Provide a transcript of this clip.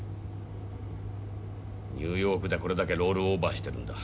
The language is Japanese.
ニューヨークでこれだけロールオーバーしてるんだ。